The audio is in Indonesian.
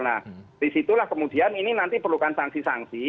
nah di situlah kemudian ini nanti perlukan sanksi sanksi